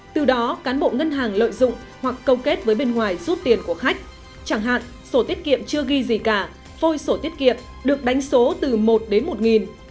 từ đó cán bộ ngân hàng lợi dụng hoặc câu kết với bên ngoài rút tiền của khách chẳng hạn sổ tiết kiệm chưa ghi gì cả phôi sổ tiết kiệm được đánh số từ một đến một nghìn